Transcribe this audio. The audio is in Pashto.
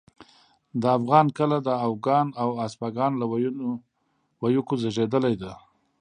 د افغان کله د اوگان او اسپاگان له ويوکو زېږېدلې ده